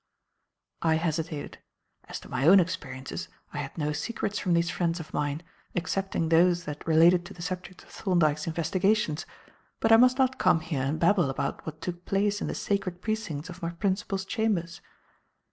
I hesitated. As to my own experiences, I had no secrets from these friends of mine, excepting those that related to the subjects of Thorndyke's investigations, But I must not come here and babble about what took place in the sacred precincts of my principal's chambers.